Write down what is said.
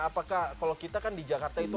apakah kalau kita kan di jakarta itu